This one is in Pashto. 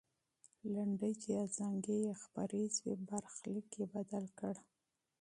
لنډۍ چې ازانګې یې خپرې سوې، برخلیک یې بدل کړ.